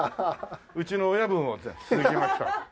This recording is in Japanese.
うちの親分を連れてきました。